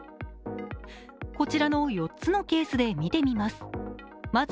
こちらの４つのケースで見てみます